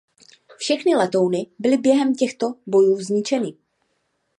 Všechny letouny byly během těchto bojů zničeny.